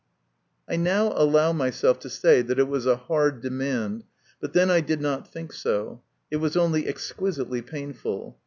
I now allow myself to say that it was a hard demand, but then I did not think so ; it was only exquisitely painful.